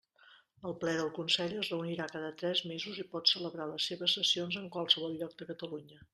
El Ple del Consell es reunirà cada tres mesos i pot celebrar les seves sessions en qualsevol lloc de Catalunya.